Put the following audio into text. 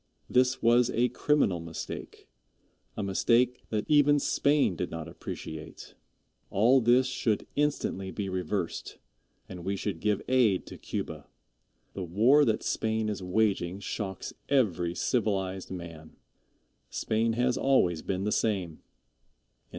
This was a criminal mistake a mistake that even Spain did not appreciate. All this should instantly be reversed, and we should give aid to Cuba. The war that Spain is waging shocks every civilized man. Spain has always been the same.